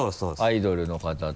アイドルの方と。